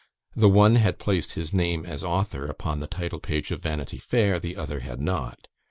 The one had placed his name as author upon the title page of Vanity Fair, the other had not.